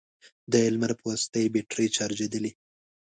د لمر په واسطه يې بېټرۍ چارجېدلې،